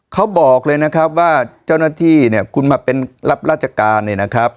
เขาบอกเลยนะครับว่าเจ้าหน้าที่เนี่ยคุณมาเป็นรับราชการเนี่ยนะครับ